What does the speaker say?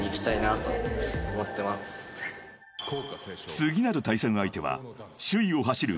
［次なる対戦相手は首位を走る］